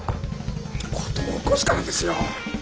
事を起こすからですよ。